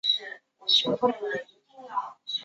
短头鳗鲡为鳗鲡科鳗鲡属的鱼类。